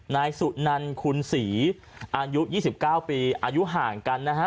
นายสุนันคุณศรีอายุ๒๙ปีอายุห่างกันนะฮะ